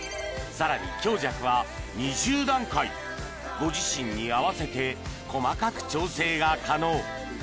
さらに強弱は２０段階ご自身に合わせて細かく調整が可能・